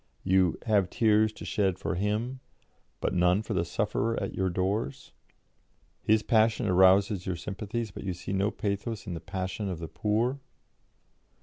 You 'have tears to shed for Him,' but none for the sufferer at your doors? His passion arouses your sympathies, but you see no pathos in the passion of the poor?